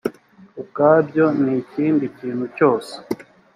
ubwabyo n ikindi kintu cyose